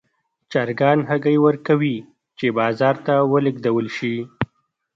چرګان هګۍ ورکوي چې بازار ته ولېږدول شي.